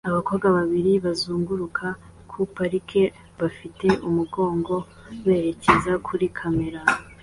Abakobwa babiri bazunguruka kuri parike bafite umugongo berekeza kuri kamera